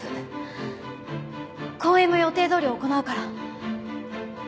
公演も予定どおり行うから。